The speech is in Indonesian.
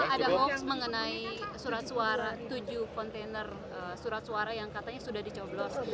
apakah ada hoax mengenai tujuh kontainer surat suara yang katanya sudah dicoblos